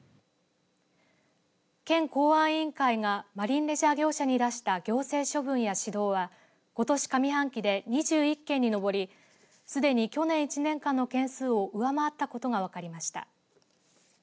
県公安委員会がマリンレジャー業者に出した行政処分や指導はことし上半期で２１件に上りすでに去年１年間の件数を上回ったことが分かりました。